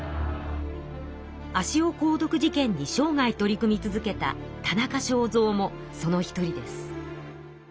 足尾鉱毒事件に生涯取り組み続けた田中正造もその一人です。